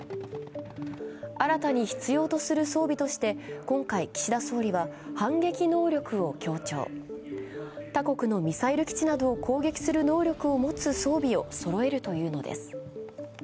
新たに必要とする装備として今回、岸田総理は反撃能力を強調他国のミサイル基地などを攻撃する能力を持つ装備をそろえるというのです。